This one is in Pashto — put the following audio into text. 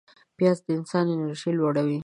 پیاز د انسان انرژي لوړوي